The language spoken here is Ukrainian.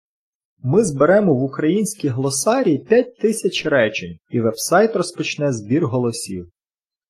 Ми зберемо в український глосарій п'ять тисяч речень і вебсайт розпочне збір голосів